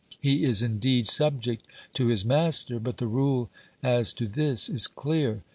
He is indeed subject to his master, but the rule as to this is clear.